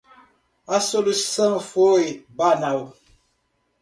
A solução foi banal.